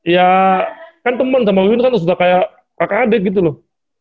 ya kan teman sama windu kan sudah kayak kakak adik gitu loh